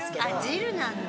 汁なんだ。